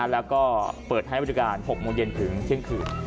แล้วก็เปิดให้บริการ๖โมงเย็นถึงเที่ยงคืน